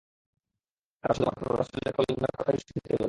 তারা শুধু মাত্র রাসূলের কল্যাণময় কথাই শুনতে পেল।